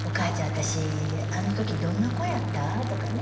私あの時どんな子やった？」とかね。